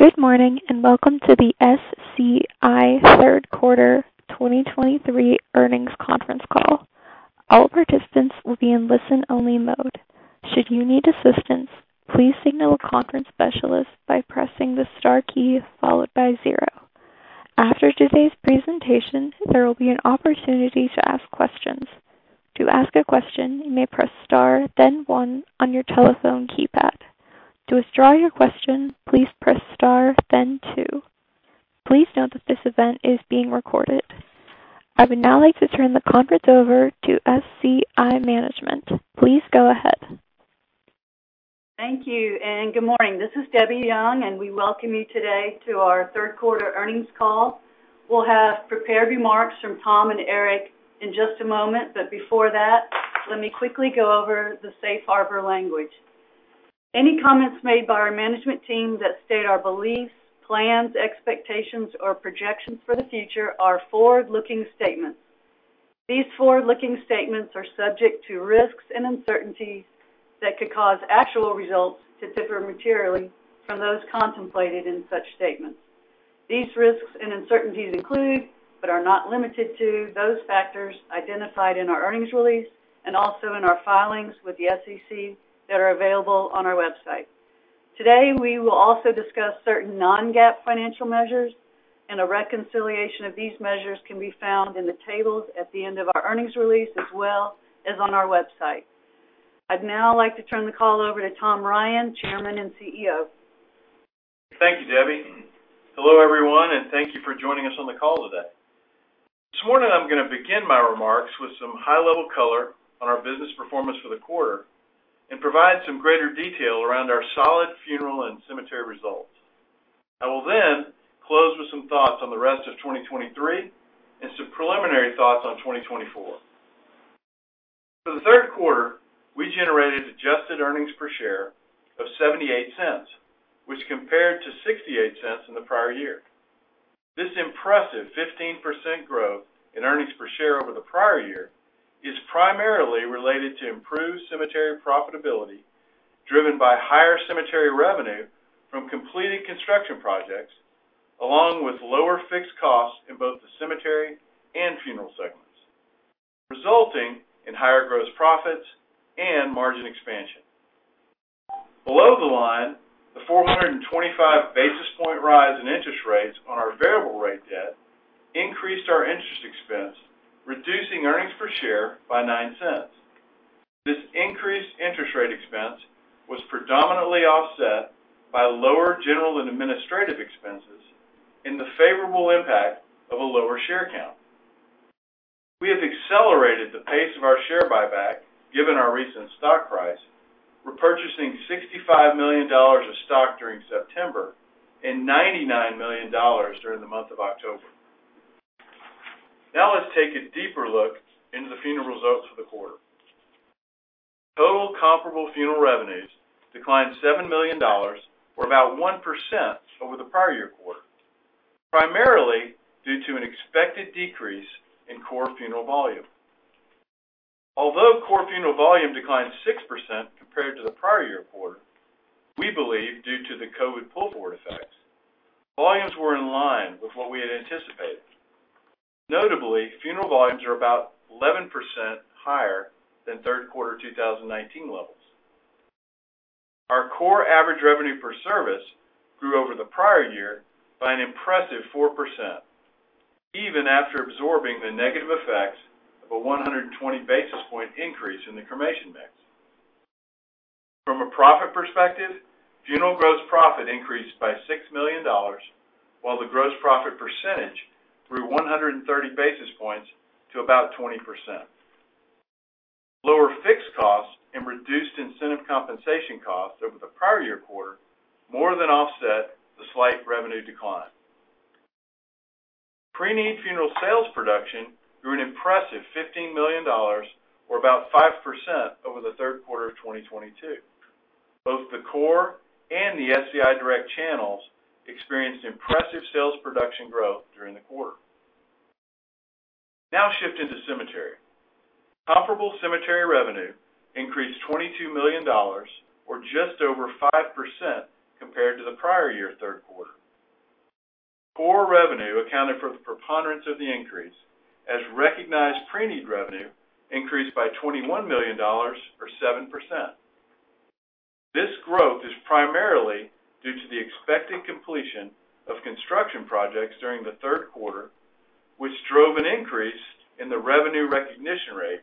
Good morning, and welcome to the SCI Third Quarter 2023 Earnings Conference Call. All participants will be in listen-only mode. Should you need assistance, please signal a conference specialist by pressing the star key, followed by zero. After today's presentation, there will be an opportunity to ask questions. To ask a question, you may press star, then one on your telephone keypad. To withdraw your question, please press star, then two. Please note that this event is being recorded. I would now like to turn the conference over to SCI Management. Please go ahead. Thank you, and good morning. This is Debbie Young, and we welcome you today to our Third Quarter Earnings Call. We'll have prepared remarks from Tom and Eric in just a moment, but before that, let me quickly go over the safe harbor language. Any comments made by our management team that state our beliefs, plans, expectations, or projections for the future are forward-looking statements. These forward-looking statements are subject to risks and uncertainties that could cause actual results to differ materially from those contemplated in such statements. These risks and uncertainties include, but are not limited to, those factors identified in our earnings release and also in our filings with the SEC that are available on our website. Today, we will also discuss certain non-GAAP financial measures, and a reconciliation of these measures can be found in the tables at the end of our earnings release, as well as on our website. I'd now like to turn the call over to Tom Ryan, Chairman and CEO. Thank you, Debbie. Hello, everyone, and thank you for joining us on the call today. This morning, I'm gonna begin my remarks with some high-level color on our business performance for the quarter and provide some greater detail around our solid funeral and cemetery results. I will then close with some thoughts on the rest of 2023 and some preliminary thoughts on 2024. For the third quarter, we generated adjusted earnings per share of $0.78, which compared to $0.68 in the prior year. This impressive 15% growth in earnings per share over the prior year is primarily related to improved cemetery profitability, driven by higher cemetery revenue from completed construction projects, along with lower fixed costs in both the cemetery and funeral segments, resulting in higher gross profits and margin expansion. Below the line, the 425 basis points rise in interest rates on our variable rate debt increased our interest expense, reducing earnings per share by $0.09. This increased interest rate expense was predominantly offset by lower general and administrative expenses and the favorable impact of a lower share count. We have accelerated the pace of our share buyback, given our recent stock price, repurchasing $65 million of stock during September and $99 million during the month of October. Now, let's take a deeper look into the funeral results for the quarter. Total comparable funeral revenues declined $7 million or about 1% over the prior year quarter, primarily due to an expected decrease in core funeral volume. Although core funeral volume declined 6% compared to the prior year quarter, we believe due to the COVID pull-forward effects, volumes were in line with what we had anticipated. Notably, funeral volumes are about 11% higher than third quarter 2019 levels. Our core average revenue per service grew over the prior year by an impressive 4%, even after absorbing the negative effects of a 120 basis point increase in the cremation mix. From a profit perspective, funeral gross profit increased by $6 million, while the gross profit percentage grew 130 basis points to about 20%. Lower fixed costs and reduced incentive compensation costs over the prior year quarter more than offset the slight revenue decline. Preneed funeral sales production grew an impressive $15 million or about 5% over the third quarter of 2022. Both the core and the SCI Direct channels experienced impressive sales production growth during the quarter. Now shifting to cemetery. Comparable cemetery revenue increased $22 million or just over 5% compared to the prior year third quarter. Core revenue accounted for the preponderance of the increase as recognized preneed revenue increased by $21 million or 7%. This growth is primarily due to the expected completion of construction projects during the third quarter, which drove an increase in the revenue recognition rate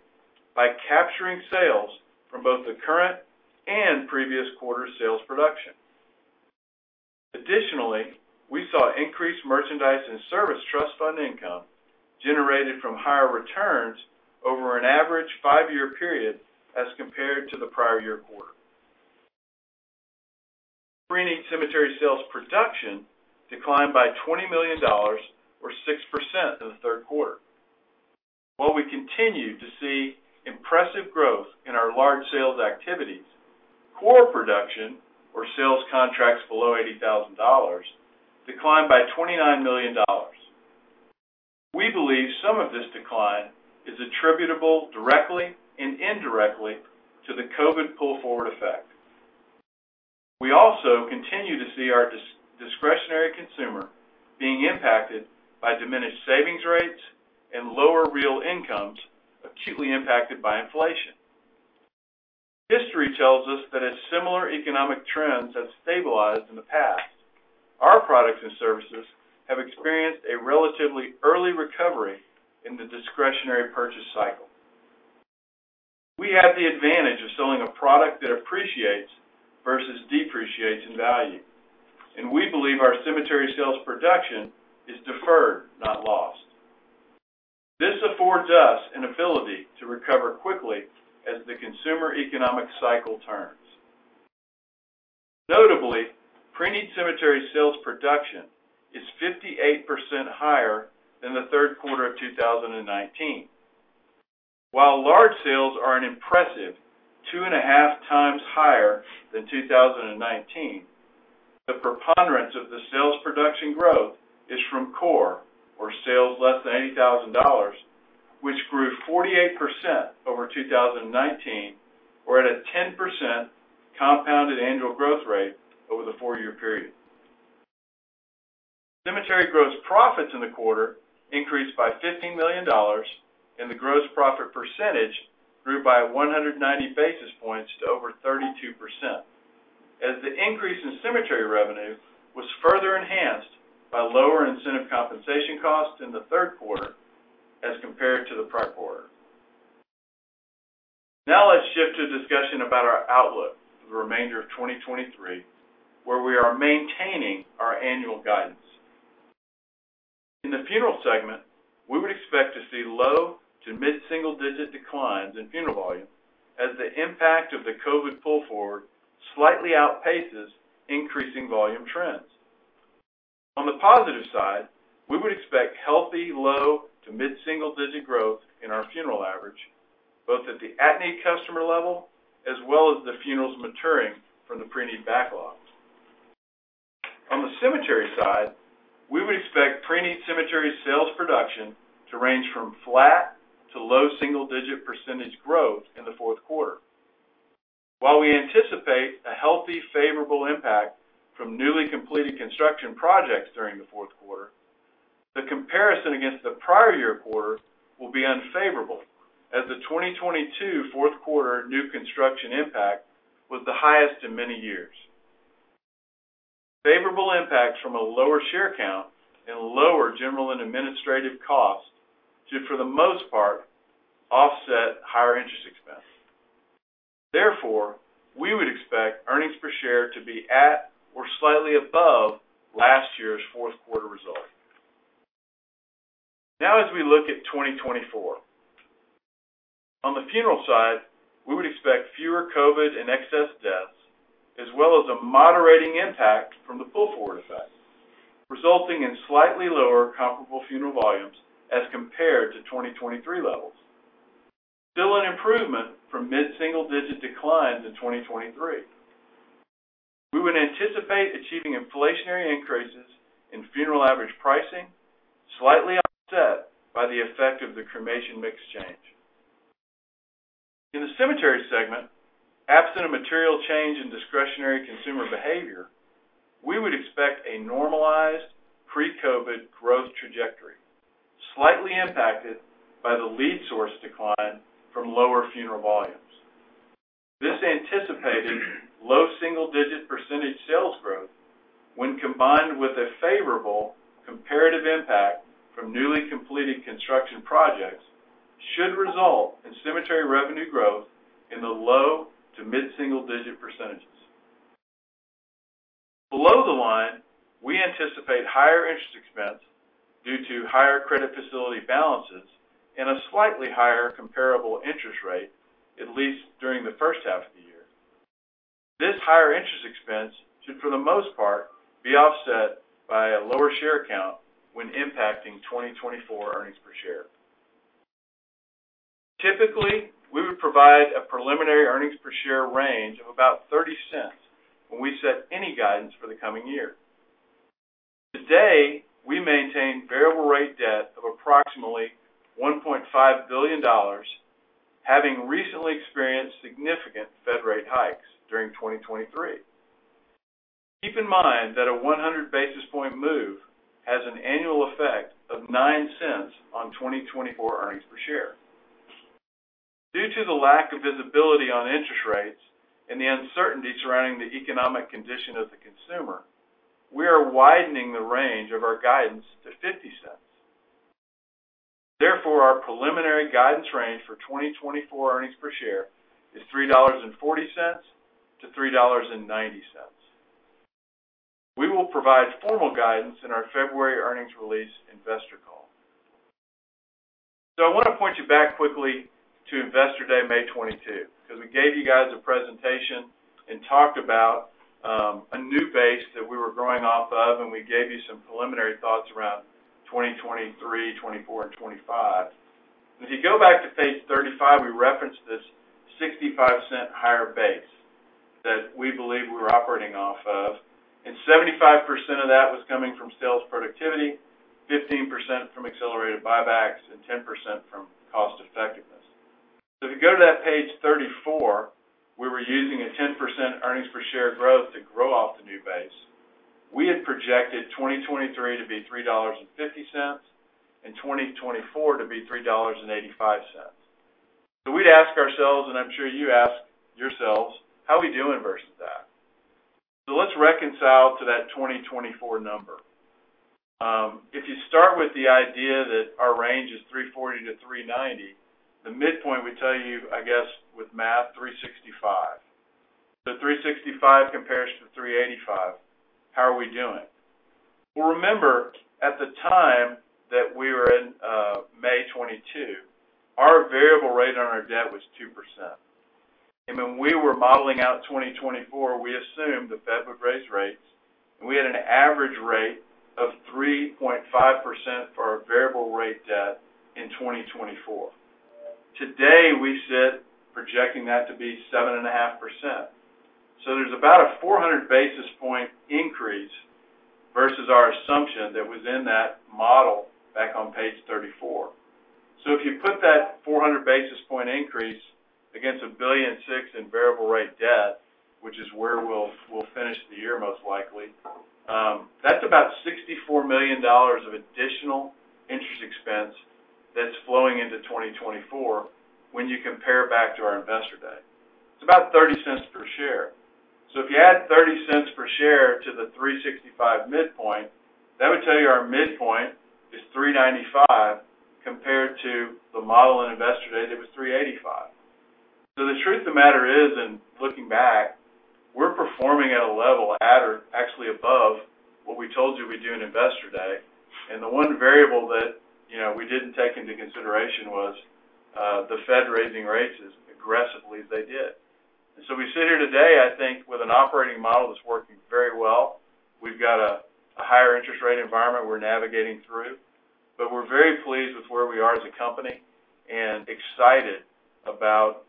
by capturing sales from both the current and previous quarter sales production. Additionally, we saw increased merchandise and service trust fund income generated from higher returns over an average five year period as compared to the prior year quarter. Preneed cemetery sales production declined by $20 million or 6% in the third quarter. While we continue to see impressive growth in our large sales activities, core production, or sales contracts below $80,000, declined by $29 million. We believe some of this decline is attributable directly and indirectly to the COVID pull-forward effect. We also continue to see our discretionary consumer being impacted by diminished savings rates and lower real incomes, acutely impacted by inflation. History tells us that as similar economic trends have stabilized in the past, our products and services have experienced a relatively early recovery in the discretionary purchase cycle. We have the advantage of selling a product that appreciates versus depreciates in value, and we believe our cemetery sales production is deferred, not lost. This affords us an ability to recover quickly as the consumer economic cycle turns. Notably, preneed cemetery sales production is 58% higher than the third quarter of 2019. While large sales are an impressive 2.5x higher than 2019, the preponderance of the sales production growth is from core, or sales less than $80,000, which grew 48% over 2019, or at a 10% compounded annual growth rate over the four year period. Cemetery gross profits in the quarter increased by $15 million, and the gross profit percentage grew by 190 basis points to over 32%. As the increase in cemetery revenue was further enhanced by lower incentive compensation costs in the third quarter as compared to the prior quarter. Now, let's shift to a discussion about our outlook for the remainder of 2023, where we are maintaining our annual guidance. In the funeral segment, we would expect to see low- to mid-single-digit declines in funeral volume as the impact of the COVID pull forward slightly outpaces increasing volume trends. On the positive side, we would expect healthy, low- to mid-single-digit growth in our funeral average, both at the at-need customer level as well as the funerals maturing from the preneed backlogs. On the cemetery side, we would expect preneed cemetery sales production to range from flat to low single-digit percentage growth in the fourth quarter. While we anticipate a healthy, favorable impact from newly completed construction projects during the fourth quarter, the comparison against the prior year quarter will be unfavorable as the 2022 fourth quarter new construction impact was the highest in many years. Favorable impacts from a lower share count and lower general and administrative costs should, for the most part, offset higher interest expense. Therefore, we would expect earnings per share to be at or slightly above last year's fourth quarter result. Now, as we look at 2024. On the funeral side, we would expect fewer COVID and excess deaths, as well as a moderating impact from the pull-forward effect, resulting in slightly lower comparable funeral volumes as compared to 2023 levels. Still an improvement from mid-single-digit declines in 2023. We would anticipate achieving inflationary increases in funeral average pricing, slightly offset by the effect of the cremation mix change. In the cemetery segment, absent a material change in discretionary consumer behavior, we would expect a normalized pre-COVID growth trajectory, slightly impacted by the lead source decline from lower funeral volumes. This anticipated low single-digit percentage sales growth, when combined with a favorable comparative impact from newly completed construction projects, should result in cemetery revenue growth in the low- to mid-single-digit %. Below the line, we anticipate higher interest expense due to higher credit facility balances and a slightly higher comparable interest rate, at least during the first half of the year. This higher interest expense should, for the most part, be offset by a lower share count when impacting 2024 earnings per share. Typically, we would provide a preliminary earnings per share range of about $0.30 when we set any guidance for the coming year. Today, we maintain variable rate debt of approximately $1.5 billion, having recently experienced significant Fed rate hikes during 2023. Keep in mind that a 100 basis point move has an annual effect of $0.09 on 2024 earnings per share. Due to the lack of visibility on interest rates and the uncertainty surrounding the economic condition of the consumer, we are widening the range of our guidance to $0.50. Therefore, our preliminary guidance range for 2024 earnings per share is $3.40-$3.90. We will provide formal guidance in our February earnings release investor call. So I want to point you back quickly to Investor Day, May 22, because we gave you guys a presentation and talked about a new base that we were growing off of, and we gave you some preliminary thoughts around 2023, 2024, and 2025. 35, we referenced this $0.65 higher base that we believe we're operating off of, and 75% of that was coming from sales productivity, 15% from accelerated buybacks, and 10% from cost effectiveness. So if you go to that page 34, we were using a 10% earnings per share growth to grow off the new base. We had projected 2023 to be $3.50, and 2024 to be $3.85. So we'd ask ourselves, and I'm sure you ask yourselves, how are we doing versus that? So let's reconcile to that 2024 number. If you start with the idea that our range is $3.40-$3.90, the midpoint would tell you, I guess, with math, $3.65. So $3.65 compares to $3.85. How are we doing? Well, remember, at the time that we were in May 2022, our variable rate on our debt was 2%. And when we were modeling out 2024, we assumed the Fed would raise rates, and we had an average rate of 3.5% for our variable rate debt in 2024. Today, we sit projecting that to be 7.5%. So there's about a 400 basis point increase versus our assumption that was in that model back on page 34. So if you put that 400 basis point increase against $1.06 billion in variable rate debt, which is where we'll finish the year, most likely, that's about $64 million of additional interest expense that's flowing into 2024 when you compare it back to our Investor Day. It's about $0.30 per share. So if you add $0.30 per share to the $3.65 midpoint, that would tell you our midpoint is $3.95 compared to the model in Investor Day, that was $3.85. So the truth of the matter is, and looking back, we're performing at a level at, or actually above what we told you we'd do in Investor Day. And the one variable that, you know, we didn't take into consideration was, the Fed raising rates as aggressively as they did. And so we sit here today, I think, with an operating model that's working very well. We've got a higher interest rate environment we're navigating through, but we're very pleased with where we are as a company and excited about,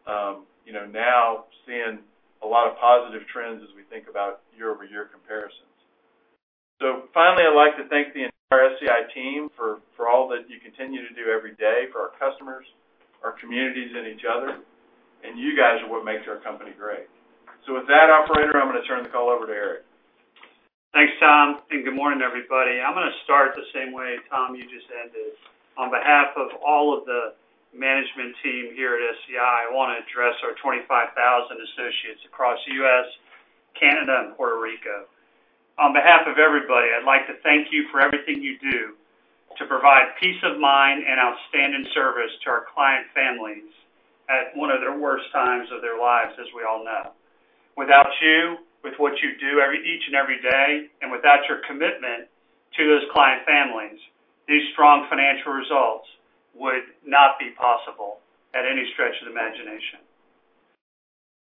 you know, now seeing a lot of positive trends as we think about year-over-year comparisons. So finally, I'd like to thank the entire SCI team for all that you continue to do every day for our customers, our communities, and each other, and you guys are what makes our company great. So with that, operator, I'm gonna turn the call over to Eric. Thanks, Tom, and good morning, everybody. I'm gonna start the same way, Tom, you just ended. On behalf of all of the management team here at SCI, I wanna address our 25,000 associates across the U.S., Canada, and Puerto Rico. On behalf of everybody, I'd like to thank you for everything you do to provide peace of mind and outstanding service to our client families at one of their worst times of their lives, as we all know. Without you, with what you do each and every day, and without your commitment to those client families, these strong financial results would not be possible at any stretch of the imagination.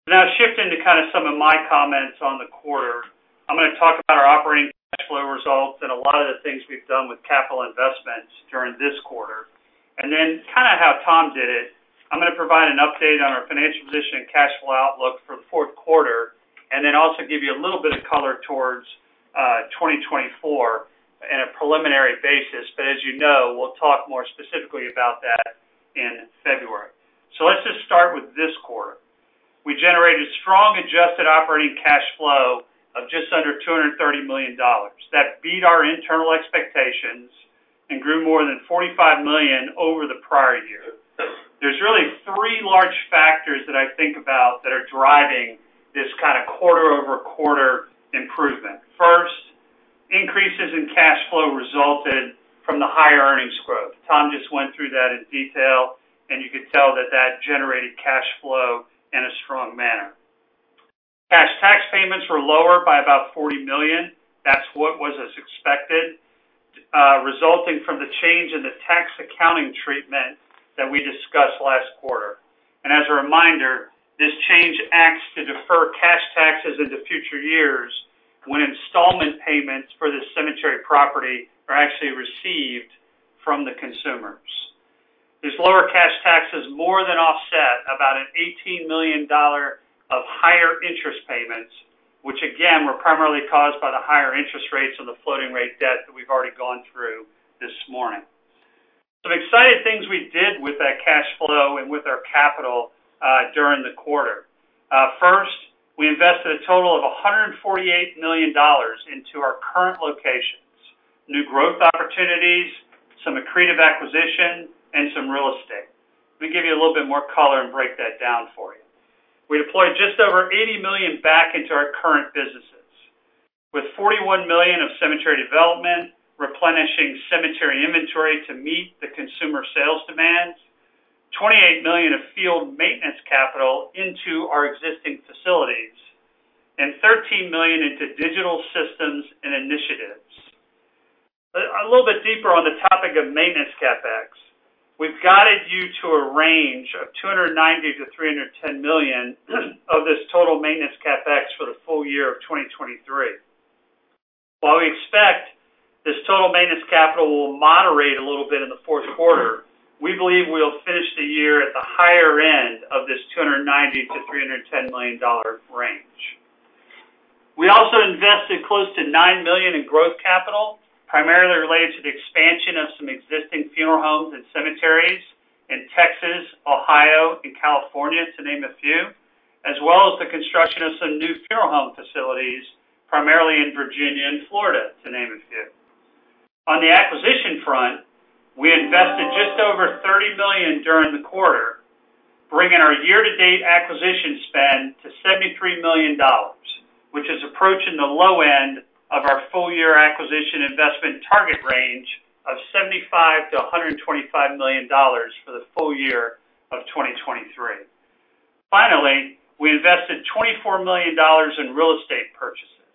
Now, shifting to kind of some of my comments on the quarter, I'm gonna talk about our operating cash flow results and a lot of the things we've done with capital investments during this quarter. Then kind of how Tom did it, I'm gonna provide an update on our financial position and cash flow outlook for the fourth quarter, and then also give you a little bit of color towards 2024 in a preliminary basis. But as you know, we'll talk more specifically about that in February. Let's just start with this quarter. We generated strong adjusted operating cash flow of just under $230 million. That beat our internal expectations and grew more than $45 million over the prior year. There's really three large factors that I think about that are driving this kind of quarter-over-quarter improvement. First, increases in cash flow resulted from the higher earnings growth. Tom just went through that in detail, and you could tell that that generated cash flow in a strong manner. Cash tax payments were lower by about $40 million. That's what was as expected, resulting from the change in the tax accounting treatment that we discussed last quarter. And as a reminder, this change acts to defer cash taxes into future years when installment payments for the cemetery property are actually received from the consumers. These lower cash taxes more than offset about an $18 million of higher interest payments, which again, were primarily caused by the higher interest rates on the floating rate debt that we've already gone through this morning. Some exciting things we did with that cash flow and with our capital, during the quarter. First, we invested a total of $148 million into our current locations, new growth opportunities, some accretive acquisition, and some real estate. Let me give you a little bit more color and break that down for you. We deployed just over $80 million back into our current businesses, with $41 million of cemetery development, replenishing cemetery inventory to meet the consumer sales demands, $28 million of field maintenance capital into our existing facilities, and $13 million into digital systems and initiatives. A little bit deeper on the topic of maintenance CapEx. We've guided you to a range of $290 million-$310 million of this total maintenance CapEx for the full year of 2023. While we expect capital will moderate a little bit in the fourth quarter, we believe we'll finish the year at the higher end of this $290 million-$310 million range. We also invested close to $9 million in growth capital, primarily related to the expansion of some existing funeral homes and cemeteries in Texas, Ohio, and California, to name a few, as well as the construction of some new funeral home facilities, primarily in Virginia and Florida, to name a few. On the acquisition front, we invested just over $30 million during the quarter, bringing our year-to-date acquisition spend to $73 million, which is approaching the low end of our full-year acquisition investment target range of $75 million-$125 million for the full year of 2023. Finally, we invested $24 million in real estate purchases,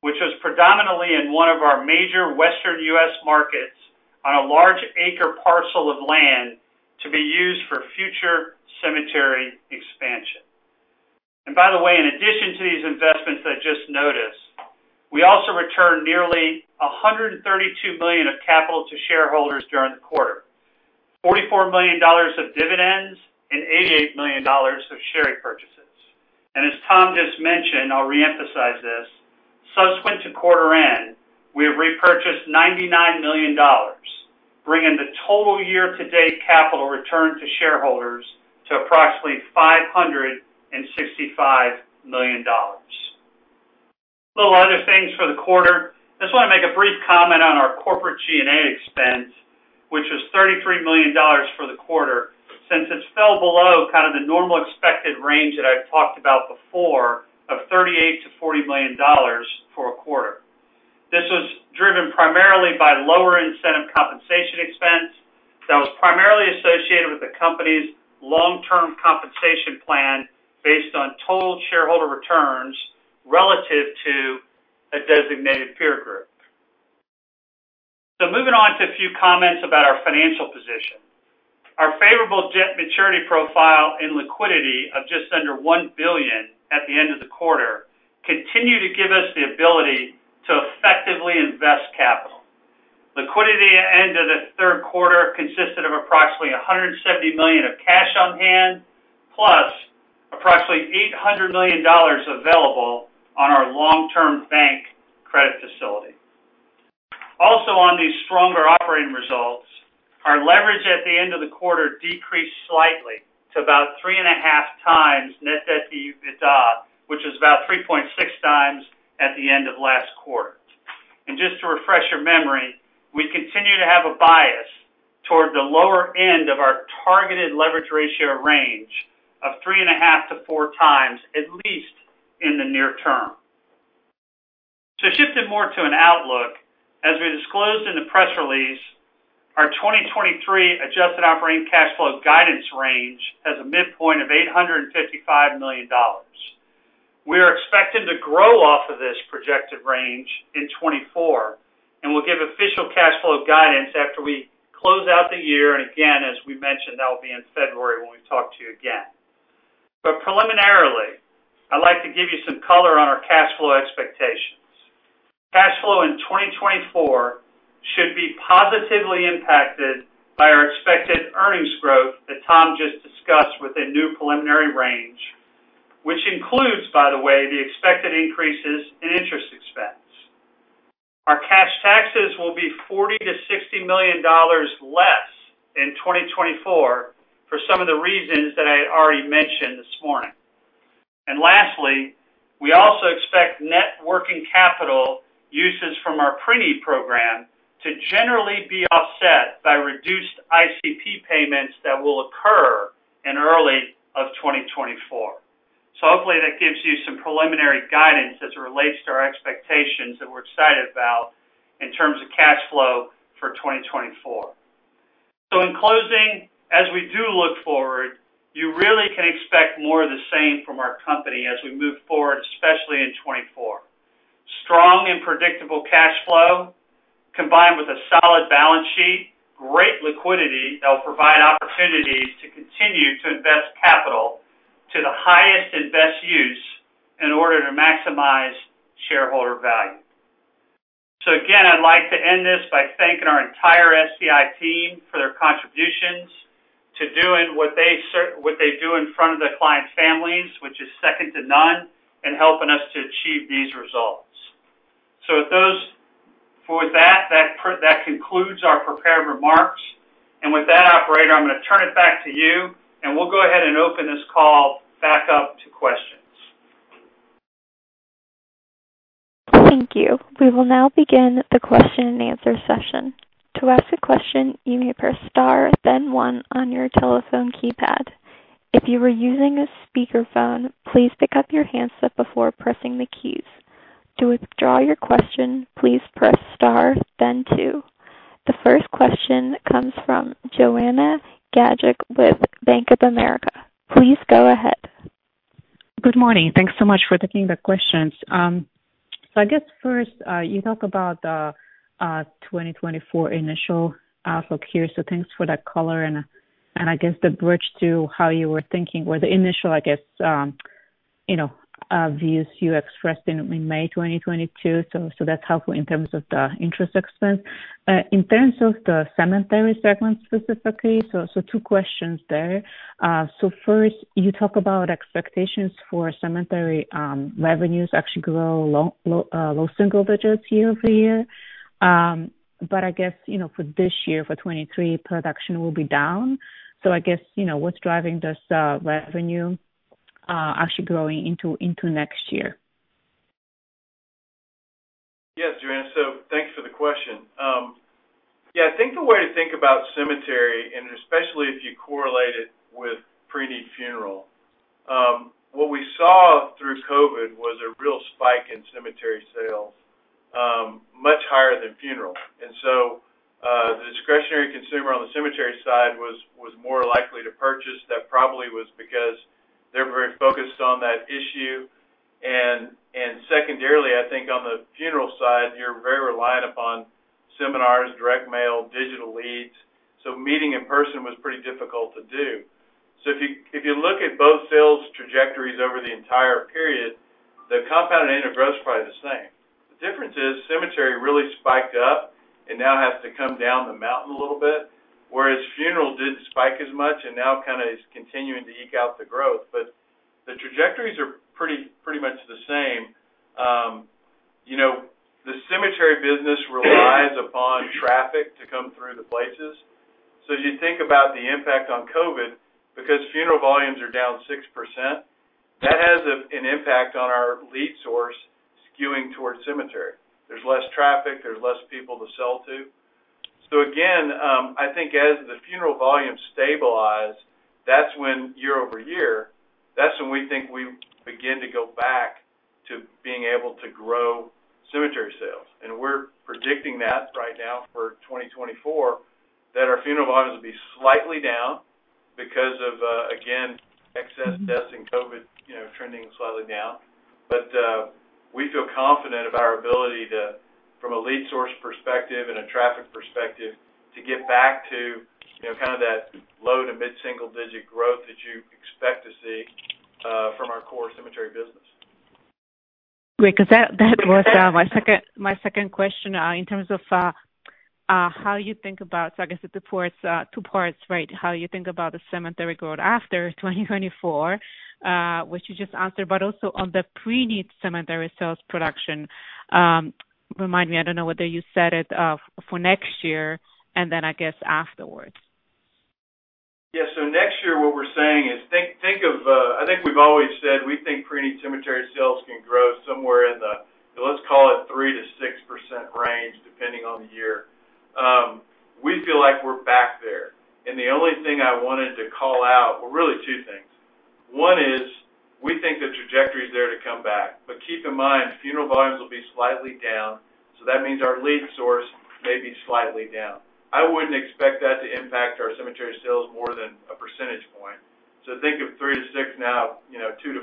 which was predominantly in one of our major Western U.S. markets, on a large acre parcel of land to be used for future cemetery expansion. And by the way, in addition to these investments I just noticed, we also returned nearly $132 million of capital to shareholders during the quarter. $44 million of dividends and $88 million of share repurchases. And as Tom just mentioned, I'll reemphasize this, subsequent to quarter end, we have repurchased $99 million, bringing the total year-to-date capital return to shareholders to approximately $565 million. A little other things for the quarter. I just want to make a brief comment on our corporate G&A expense, which was $33 million for the quarter, since it fell below kind of the normal expected range that I've talked about before of $38 million-$40 million for a quarter. This was driven primarily by lower incentive compensation expense that was primarily associated with the company's long-term compensation plan, based on total shareholder returns relative to a designated peer group. So moving on to a few comments about our financial position. Our favorable debt maturity profile and liquidity of just under $1 billion at the end of the quarter continue to give us the ability to effectively invest capital. Liquidity at the end of the third quarter consisted of approximately $170 million of cash on hand, plus approximately $800 million available on our long-term bank credit facility. Also, on these stronger operating results, our leverage at the end of the quarter decreased slightly to about 3.5x net debt to EBITDA, which is about 3.6x at the end of last quarter. Just to refresh your memory, we continue to have a bias toward the lower end of our targeted leverage ratio range of 3.5-4x, at least in the near term. So shifting more to an outlook, as we disclosed in the press release, our 2023 adjusted operating cash flow guidance range has a midpoint of $855 million. We are expecting to grow off of this projected range in 2024, and we'll give official cash flow guidance after we close out the year. And again, as we mentioned, that will be in February when we talk to you again. But preliminarily, I'd like to give you some color on our cash flow expectations. Cash flow in 2024 should be positively impacted by our expected earnings growth that Tom just discussed with the new preliminary range, which includes, by the way, the expected increases in interest expense. Our cash taxes will be $40 million-$60 million less in 2024, for some of the reasons that I already mentioned this morning. Lastly, we also expect net working capital uses from our preneed program to generally be offset by reduced ICP payments that will occur in early 2024. Hopefully, that gives you some preliminary guidance as it relates to our expectations that we're excited about in terms of cash flow for 2024. In closing, as we do look forward, you really can expect more of the same from our company as we move forward, especially in 2024. Strong and predictable cash flow, combined with a solid balance sheet, great liquidity that will provide opportunities to continue to invest capital to the highest and best use in order to maximize shareholder value. So again, I'd like to end this by thanking our entire SCI team for their contributions to doing what they do in front of their clients' families, which is second to none, and helping us to achieve these results. So with that, that concludes our prepared remarks. And with that, operator, I'm going to turn it back to you, and we'll go ahead and open this call back up to questions. Thank you. We will now begin the question-and-answer session. To ask a question, you may press star, then one on your telephone keypad. If you are using a speakerphone, please pick up your handset before pressing the keys. To withdraw your question, please press star, then two. The first question comes from Joanna Gajuk with Bank of America. Please go ahead. Good morning. Thanks so much for taking the questions. So I guess first, you talk about the 2024 initial outlook here. So thanks for that color and I guess the bridge to how you were thinking or the initial, I guess, you know, views you expressed in May 2022. So that's helpful in terms of the interest expense. In terms of the cemetery segment specifically, two questions there. So first, you talk about expectations for cemetery revenues actually grow low single digits year-over-year. But I guess, you know, for this year, for 2023, production will be down. So I guess, you know, what's driving this revenue actually growing into next year? Yes, Joanna, so thanks for the question. Yeah, I think the way to think about cemetery, and especially if you correlate it with pre-need funeral, what we saw through COVID was a real spike in cemetery sales, much higher than funeral. And so, the discretionary consumer on the cemetery side was more likely to purchase. That probably was because they're very focused on that issue. And secondarily, I think on the funeral side, you're very reliant upon seminars, direct mail, digital leads, so meeting in person was pretty difficult to do. So if you look at both sales trajectories over the entire period, the compounded annual growth is probably the same. The difference is, cemetery really spiked up and now has to come down the mountain a little bit, whereas funeral didn't spike as much and now kind of is continuing to eke out the growth. But the trajectories are pretty, pretty much the same. You know, the cemetery business relies upon traffic to come through the places. So as you think about the impact on COVID, because funeral volumes are down 6%, that has an impact on our lead source skewing towards cemetery. There's less traffic, there's less people to sell to. So again, I think as the funeral volumes stabilize, that's when year-over-year, that's when we think we begin to go back to being able to grow cemetery sales. We're predicting that right now for 2024, that our funeral volumes will be slightly down because of, again, excess deaths and COVID, you know, trending slightly down. But, we feel confident about our ability to, from a lead source perspective and a traffic perspective, to get back to, you know, kind of that low- to mid-single-digit growth that you expect to see, from our core cemetery business. Great, because that, that was, my second, my second question, in terms of, how you think about, so I guess it's two parts, two parts, right? How you think about the cemetery growth after 2024, which you just answered, but also on the preneed cemetery sales production. Remind me, I don't know whether you said it, for next year and then I guess afterwards. Yeah. So next year, what we're saying is think of. I think we've always said we think preneed cemetery sales can grow somewhere in the, let's call it, 3%-6% range, depending on the year. We feel like we're back there. And the only thing I wanted to call out, well, really two things. One is, we think the trajectory is there to come back. But keep in mind, funeral volumes will be slightly down, so that means our lead source may be slightly down. I wouldn't expect that to impact our cemetery sales more than a percentage point. So think of 3%-6%, now, you know, 2-5,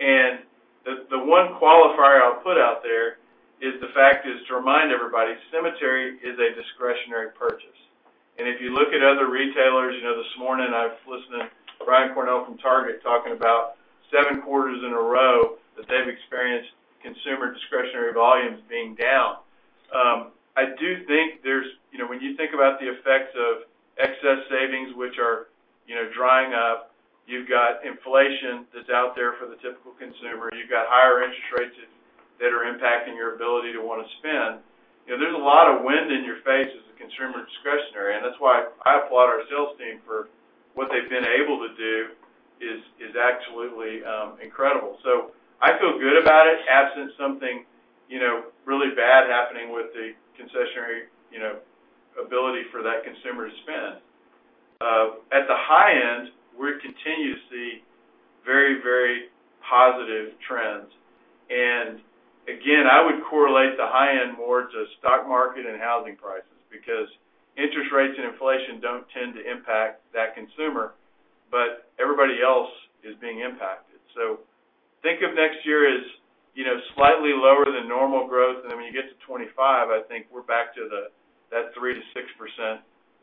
and the one qualifier I'll put out there is the fact is, to remind everybody, cemetery is a discretionary purchase. If you look at other retailers, you know, this morning I've listened to Brian Cornell from Target, talking about seven quarters in a row, that they've experienced consumer discretionary volumes being down. I do think there's, you know, when you think about the effects of excess savings, which are, you know, drying up, you've got inflation that's out there for the typical consumer, you've got higher interest rates that are impacting your ability to want to spend. You know, there's a lot of wind in your face as a consumer discretionary, and that's why I applaud our sales team for what they've been able to do is absolutely incredible. So I feel good about it, absent something, you know, really bad happening with the discretionary, you know, ability for that consumer to spend. At the high end, we continue to see very, very positive trends. And again, I would correlate the high end more to stock market and housing prices, because interest rates and inflation don't tend to impact that consumer, but everybody else is being impacted. So think of next year as, you know, slightly lower than normal growth. And then when you get to 25, I think we're back to the, that 3%-6%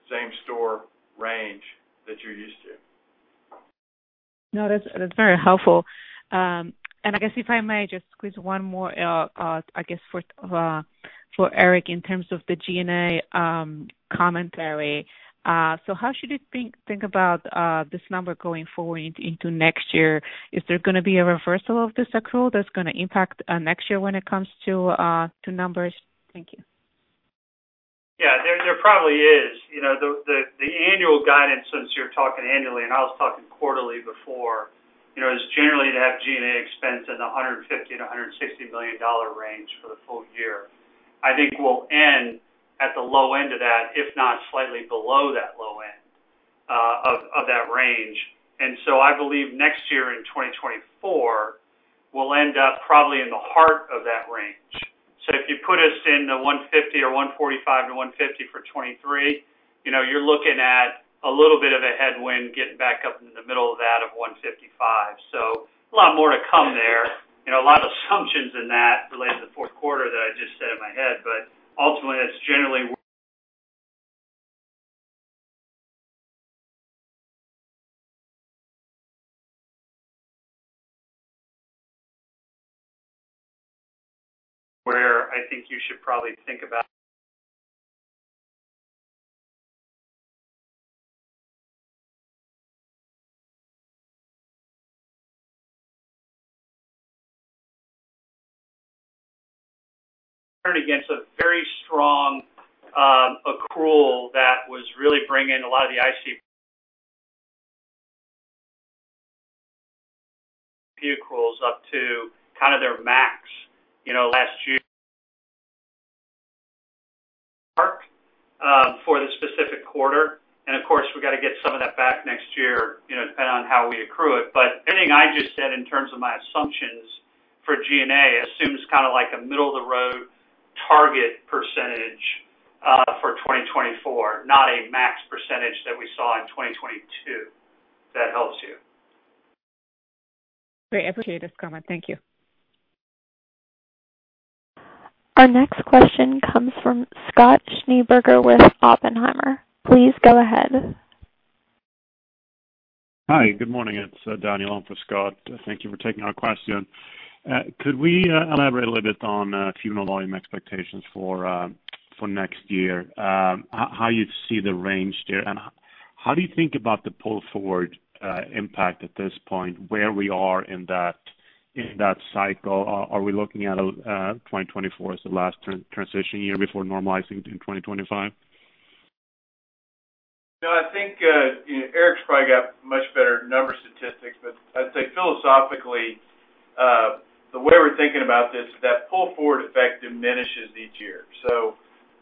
same store range that you're used to. No, that's, that's very helpful. And I guess if I may just squeeze one more, I guess, for Eric, in terms of the G&A commentary. So how should you think about this number going forward into next year? Is there gonna be a reversal of this accrual that's gonna impact next year when it comes to to numbers? Thank you. Yeah, there probably is. You know, the annual guidance, since you're talking annually, and I was talking quarterly before, you know, is generally to have G&A expense in the $150 million-$160 million range for the full year. I think we'll end at the low end of that, if not slightly below that low end of that range. And so I believe next year, in 2024, we'll end up probably in the heart of that range. So if you put us in the 150 or 145-150 for 2023, you know, you're looking at a little bit of a headwind getting back up in the middle of that, of 155. So a lot more to come there. You know, a lot of assumptions in that related to the fourth quarter that I just said in my head, but ultimately, that's generally where-... where I think you should probably think about- against a very strong accrual that was really bringing a lot of the ICP accruals up to kind of their max, you know, last year, for the specific quarter. And, of course, we've got to get some of that back next year, you know, depending on how we accrue it. But anything I just said in terms of my assumptions for G&A assumes kind of like a middle-of-the-road target percentage for 2024, not a max percentage that we saw in 2022, if that helps you. Great. I appreciate this comment. Thank you. Our next question comes from Scott Schneeberger with Oppenheimer. Please go ahead. Hi, good morning. It's Daniel on for Scott. Thank you for taking our question. Could we elaborate a little bit on funeral volume expectations for next year? How do you see the range there, and how do you think about the pull forward impact at this point, where we are in that cycle? Are we looking at 2024 as the last transition year before normalizing in 2025? No, I think, you know, Eric's probably got much better number statistics, but I'd say philosophically, the way we're thinking about this, that pull forward effect diminishes each year. So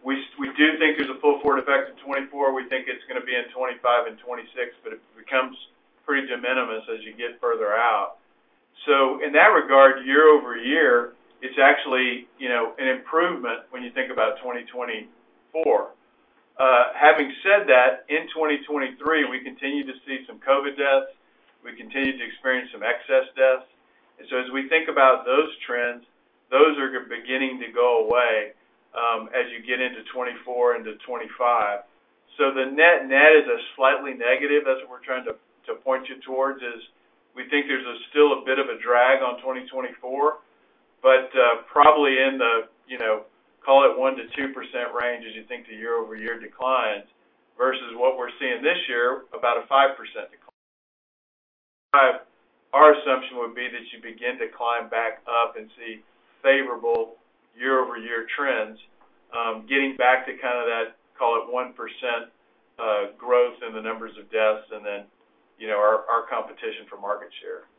we do think there's a pull forward effect in 2024. We think it's gonna be in 2025 and 2026, but it becomes pretty de minimis as you get further out. So in that regard, year-over-year, it's actually, you know, an improvement when you think about 2024. Having said that, in 2023, we continued to see some COVID deaths. We continued to experience some excess deaths. And so as we think about those trends, those are beginning to go away, as you get into 2024 into 2025. So the net is a slightly negative. That's what we're trying to point you towards, is we think there's still a bit of a drag on 2024, but probably in the, you know, call it 1%-2% range as you think the year-over-year declines, versus what we're seeing this year, about a 5% decline. Our assumption would be that you begin to climb back up and see favorable year-over-year trends, getting back to kind of that, call it 1% growth in the numbers of deaths, and then, you know, our competition for market share.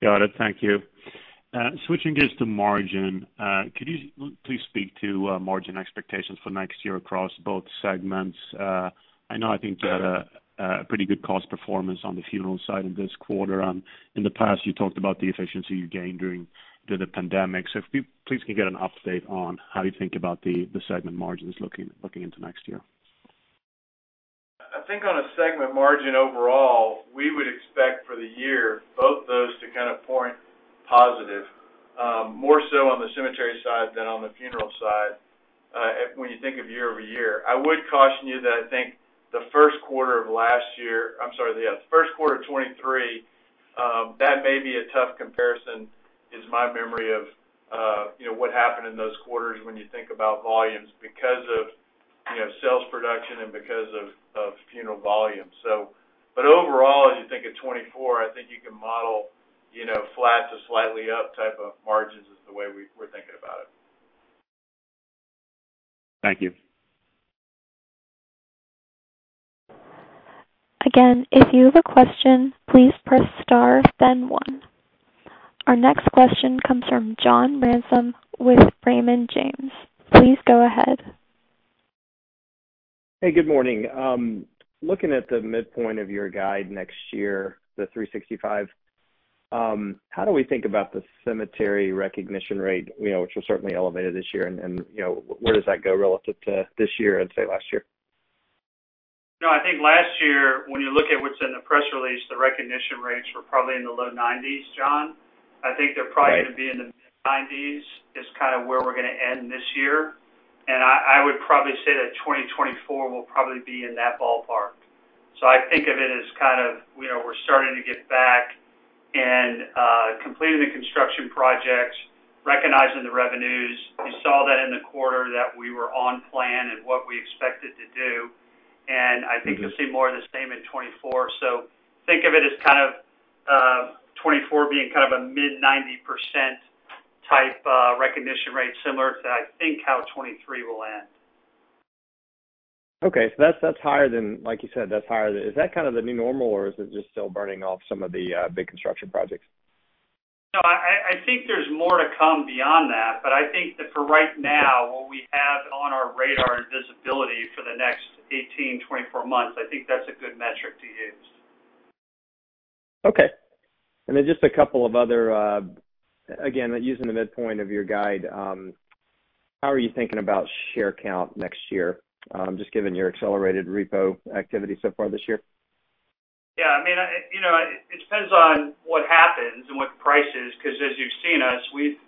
Got it. Thank you. Switching gears to margin, could you please speak to margin expectations for next year across both segments? I know I think you had a pretty good cost performance on the funeral side in this quarter. In the past, you talked about the efficiency you gained during the pandemic. So if we please can get an update on how you think about the segment margins looking into next year. I think on a segment margin overall, we would expect for the year, both those to kind of point positive, more so on the cemetery side than on the funeral side, when you think of year-over-year. I would caution you that I think the first quarter of last year. I'm sorry, the first quarter of 2023, that may be a tough comparison, is my memory of, you know, what happened in those quarters when you think about volumes, because of, you know, sales production and because of funeral volumes, so. But overall, as you think of 2024, I think you can model, you know, flat to slightly up type of margins is the way we're thinking about it. Thank you. Again, if you have a question, please press star, then one. Our next question comes from John Ransom with Raymond James. Please go ahead. Hey, good morning. Looking at the midpoint of your guide next year, the $3.65, how do we think about the cemetery recognition rate, you know, which was certainly elevated this year, and, you know, where does that go relative to this year and, say, last year? No, I think last year, when you look at what's in the press release, the recognition rates were probably in the low 90s, John. I think they're probably- Right. Gonna be in the mid-90s, is kind of where we're gonna end this year. And I, I would probably say that 2024 will probably be in that ballpark. So I think of it as kind of, you know, we're starting to get back and, completing the construction projects, recognizing the revenues. We saw that in the quarter that we were on plan and what we expected to do, and I think- Mm-hmm. You'll see more of the same in 2024. So think of it as kind of, 2024 being kind of a mid-90% type, recognition rate, similar to, I think, how 2023 will end. Okay. So that's, that's higher than... Like you said, that's higher. Is that kind of the new normal, or is it just still burning off some of the big construction projects? No, I think there's more to come beyond that, but I think that for right now, what we have on our radar and visibility for the next 18-24 months, I think that's a good metric to use. Okay. And then just a couple of other, again, using the midpoint of your guide, how are you thinking about share count next year, just given your accelerated repo activity so far this year? ... Yeah, I mean, you know, it depends on what happens and what the price is, 'cause as you've seen,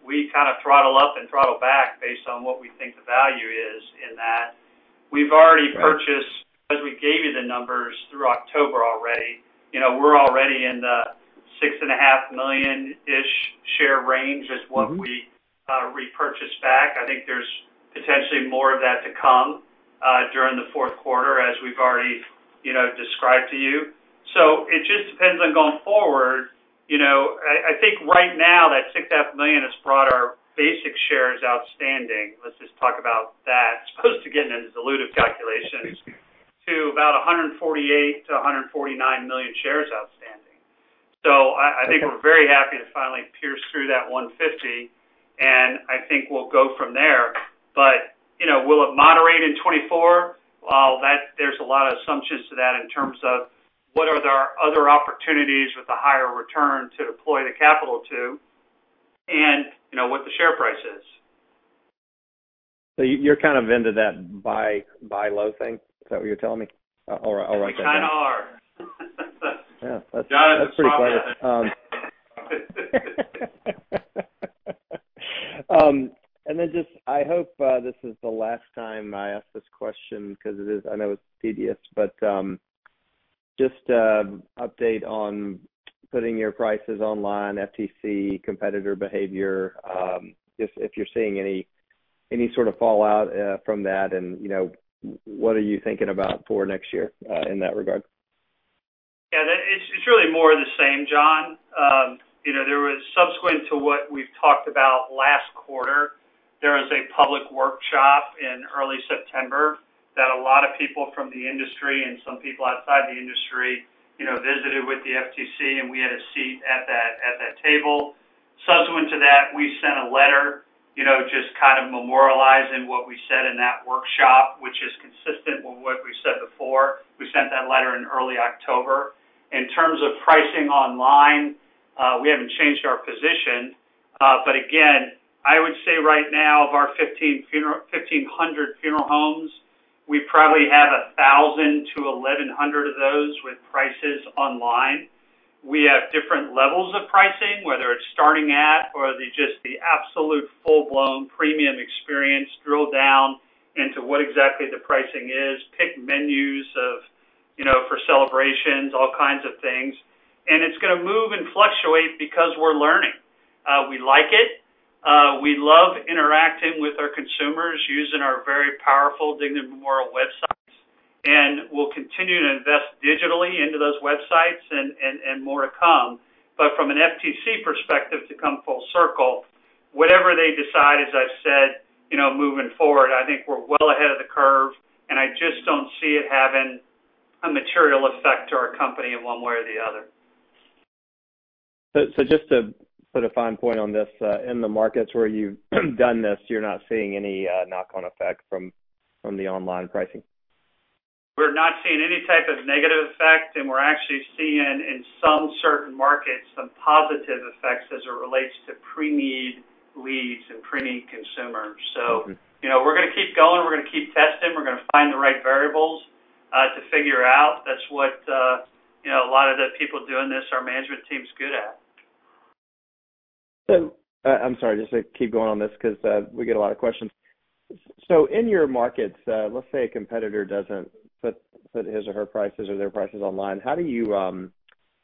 we kind of throttle up and throttle back based on what we think the value is in that. We've already purchased, as we gave you the numbers through October already, you know, we're already in the 6.5 million-ish share range, is what we repurchased back. I think there's potentially more of that to come during the fourth quarter, as we've already, you know, described to you. So it just depends on going forward, you know, I think right now that 6.5 million has brought our basic shares outstanding, let's just talk about that, as opposed to getting into dilutive calculations, to about 148-149 million shares outstanding. So I, I think we're very happy to finally pierce through that $150, and I think we'll go from there. But, you know, will it moderate in 2024? Well, that. There's a lot of assumptions to that in terms of what are the other opportunities with the higher return to deploy the capital to, and, you know, what the share price is. So you're kind of into that buy, buy low thing? Is that what you're telling me? Or, or I like that. We kind of are. Yeah, that's- John And then just, I hope this is the last time I ask this question, 'cause it is... I know it's tedious, but just update on putting your prices online, FTC, competitor behavior, if you're seeing any sort of fallout from that and, you know, what are you thinking about for next year in that regard? Yeah, that. It's, it's really more of the same, John. You know, there was subsequent to what we've talked about last quarter, there was a public workshop in early September, that a lot of people from the industry and some people outside the industry, you know, visited with the FTC, and we had a seat at that table. Subsequent to that, we sent a letter, you know, just kind of memorializing what we said in that workshop, which is consistent with what we said before. We sent that letter in early October. In terms of pricing online, we haven't changed our position, but again, I would say right now, of our 1,500 funeral homes, we probably have 1,000-1,100 of those with prices online. We have different levels of pricing, whether it's starting at or the, just the absolute full-blown premium experience, drill down into what exactly the pricing is, pick menus of, you know, for celebrations, all kinds of things. And it's gonna move and fluctuate because we're learning. We like it. We love interacting with our consumers using our very powerful Dignity Memorial websites, and we'll continue to invest digitally into those websites and more to come. But from an FTC perspective, to come full circle, whatever they decide, as I've said, you know, moving forward, I think we're well ahead of the curve, and I just don't see it having a material effect to our company in one way or the other. So, just to put a fine point on this, in the markets where you've done this, you're not seeing any knock-on effect from the online pricing? We're not seeing any type of negative effect, and we're actually seeing in some certain markets, some positive effects as it relates to pre-need leads and pre-need consumers. Mm-hmm. You know, we're gonna keep going, we're gonna keep testing, we're gonna find the right variables to figure out. That's what, you know, a lot of the people doing this, our management team's good at. So, I'm sorry, just to keep going on this because we get a lot of questions. So in your markets, let's say a competitor doesn't put his or her prices or their prices online, how do you,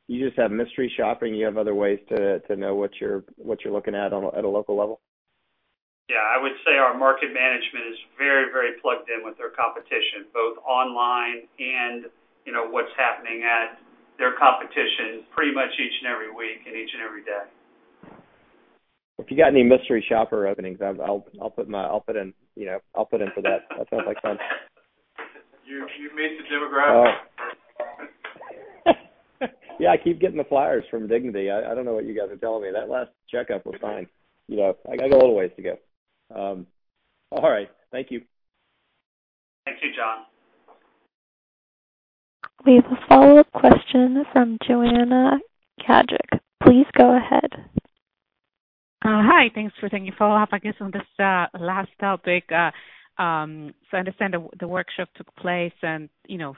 you just have mystery shopping, you have other ways to know what you're looking at on a local level? Yeah. I would say our market management is very, very plugged in with their competition, both online and, you know, what's happening at their competition pretty much each and every week and each and every day. If you got any mystery shopper openings, I'll put in, you know, I'll put in for that. That sounds like fun. You meet the demographic. Yeah, I keep getting the flyers from Dignity. I don't know what you guys are telling me. That last checkup was fine. You know, I got a little ways to go. All right. Thank you. Thank you, John. We have a follow-up question from Joanna Gajuk. Please go ahead. Hi, thanks for taking the follow-up. I guess on this last topic, so I understand the workshop took place and, you know,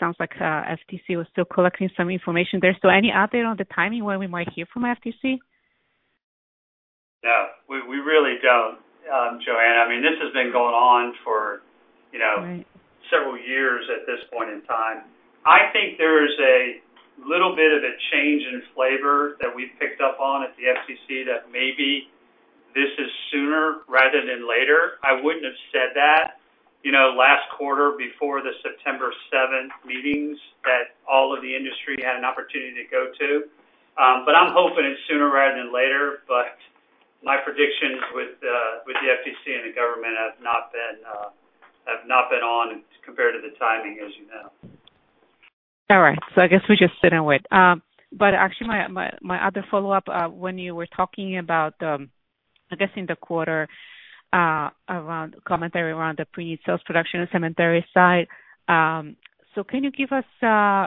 sounds like FTC was still collecting some information there. So any update on the timing, when we might hear from FTC? No, we really don't, Joanna. I mean, this has been going on for, you know- Right... Several years at this point in time. I think there is a little bit of a change in flavor that we've picked up on at the FTC, that maybe this is sooner rather than later. I wouldn't have said that, you know, last quarter before the September seventh meetings, that all of the industry had an opportunity to go to. But I'm hoping it's sooner rather than later. But my predictions with the, with the FTC and the government have not been, have not been on compared to the timing, as you know. All right. So I guess we just sit and wait. But actually my other follow-up, when you were talking about, I guess, in the quarter, around commentary around the pre-sales production and cemetery side. So can you give us,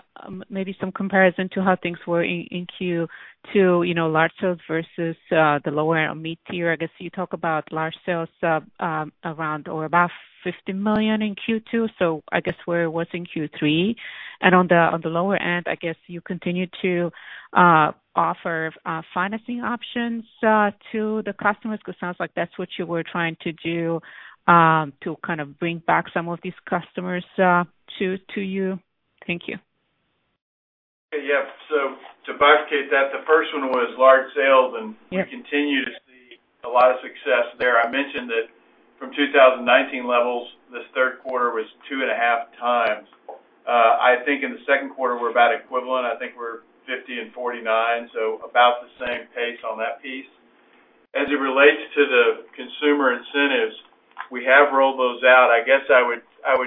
maybe some comparison to how things were in Q2, you know, large sales versus the lower mid-tier? I guess you talk about large sales, around or above $50 million in Q2, so I guess where it was in Q3. And on the lower end, I guess you continued to offer financing options to the customers, because it sounds like that's what you were trying to do, to kind of bring back some of these customers to you. Thank you. Yeah. So to bifurcate that, the first one was large sales, and- Yeah. We continue to see a lot of success there. I mentioned that from 2019 levels, this third quarter was 2.5x. I think in the second quarter, we're about equivalent. I think we're 50 and 49, so about the same pace on that piece. As it relates to the consumer incentives, we have rolled those out. I guess I would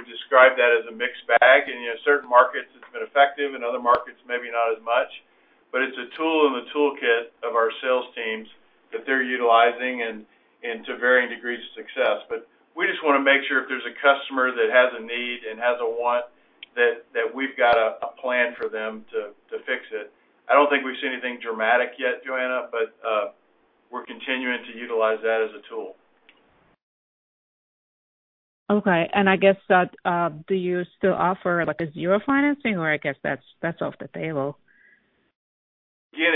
describe that as a mixed bag. In, you know, certain markets, it's been effective, in other markets, maybe not as much. But it's a tool in the toolkit of our sales teams that they're utilizing and to varying degrees of success. But we just wanna make sure if there's a customer that has a need and has a want, that we've got a plan for them to fix it. I don't think we've seen anything dramatic yet, Joanna, but we're continuing to utilize that as a tool. Okay. I guess that, do you still offer, like, a zero financing, or I guess that's, that's off the table? Again,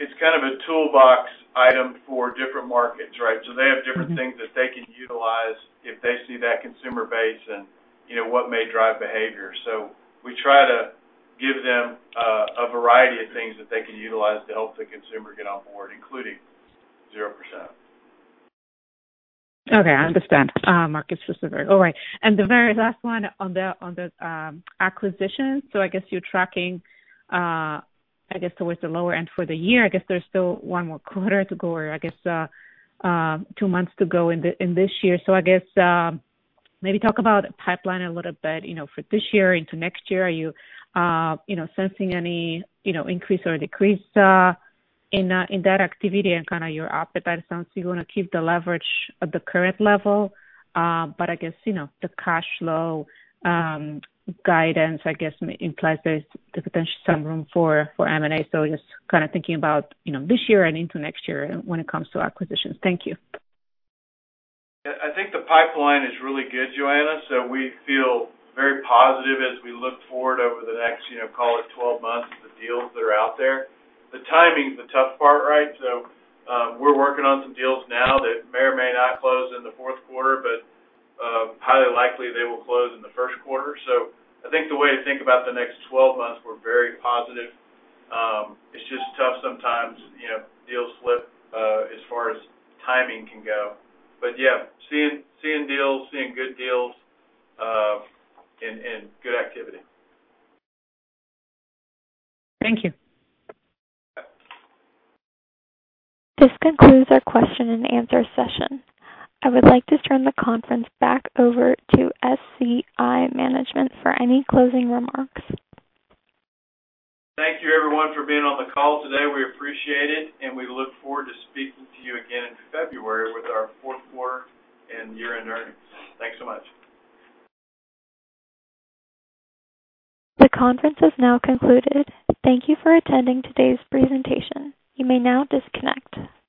it's kind of a toolbox item for different markets, right? So they have different things that they can utilize if they see that consumer base and, you know, what may drive behavior. So we try to give them a variety of things that they can utilize to help the consumer get on board, including 0%. Okay, I understand, Mark. It's just a very... All right. And the very last one on the acquisition. So I guess you're tracking, I guess, towards the lower end for the year. I guess there's still one more quarter to go, or I guess two months to go in this year. So I guess maybe talk about pipeline a little bit, you know, for this year into next year. Are you, you know, sensing any, you know, increase or decrease in that activity and kind of your appetite? It sounds you wanna keep the leverage at the current level, but I guess, you know, the cash flow guidance, I guess, implies there's the potential some room for M&A. Just kind of thinking about, you know, this year and into next year when it comes to acquisitions. Thank you. I think the pipeline is really good, Joanna. So we feel very positive as we look forward over the next, you know, call it 12 months, the deals that are out there. The timing is the tough part, right? So, we're working on some deals now that may or may not close in the fourth quarter, but, highly likely they will close in the first quarter. So I think the way to think about the next 12 months, we're very positive. It's just tough sometimes, you know, deals slip, as far as timing can go. But yeah, seeing, seeing deals, seeing good deals, and, and good activity. Thank you. This concludes our question and answer session. I would like to turn the conference back over to SCI Management for any closing remarks. Thank you, everyone, for being on the call today. We appreciate it, and we look forward to speaking to you again in February with our fourth quarter and year-end earnings. Thanks so much. The conference has now concluded. Thank you for attending today's presentation. You may now disconnect.